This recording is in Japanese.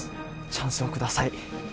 チャンスを下さい。